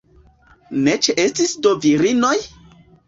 Ne ĉeestis do virinoj?